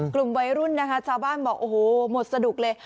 กลุ่มวัยรุ่นนะคะชาวบ้านบอกโอ้โหหมดสนุกเลย